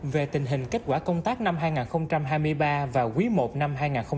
về tình hình kết quả công tác năm hai nghìn hai mươi ba và quý i năm hai nghìn hai mươi bốn